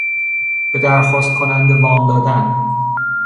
به درخواست کننده وام دادن